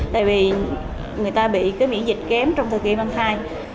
tại vì người ta bị cái miễn dịch kém trong thời kỳ mang thai